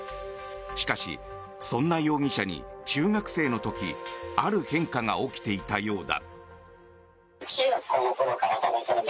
しかし、そんな容疑者に中学生の時ある変化が起きていたようだ。